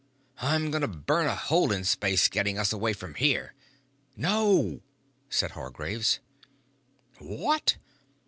"I'm going to burn a hole in space getting us away from here." "No!" said Hargraves. "What?"